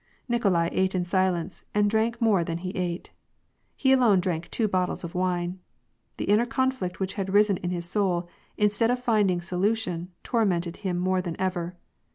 Nikolai ate in silence, and drank more than he ate. He alone drank two bottles of wine. The inner conflict which had risen in his soul, instead of finding solution, tormented him more than ever.